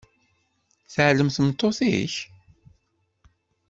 Teɛlem tmeṭṭut-ik?